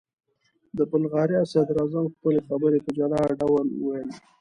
د بلغاریا صدراعظم خپلې خبرې په جلا ډول وویل.